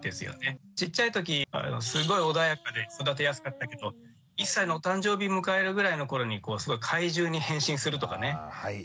ちっちゃい時すごい穏やかで育てやすかったけど１歳のお誕生日迎えるぐらいの頃にすごい怪獣に変身するとかね。